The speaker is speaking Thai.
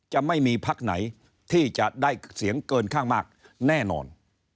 จะไม่มีพักไหนที่จะได้เสียงเกินข้างมากแน่นอน